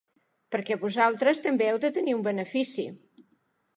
Perquè vosaltres també heu de tenir un benefici.